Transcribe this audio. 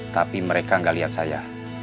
tapi mereka gak lihat saya